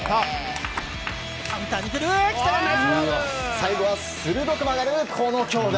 最後は鋭く曲がる、この強打。